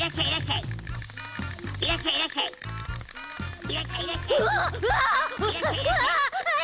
いらっしゃい！